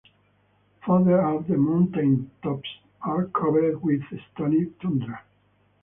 Further up the mountaintops are covered with stony tundra.